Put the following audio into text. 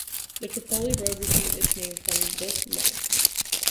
The Tripoli Road received its name from this mill.